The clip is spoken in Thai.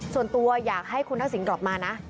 ส่วนตัวอยากให้คุณทักษิณกลับมานะ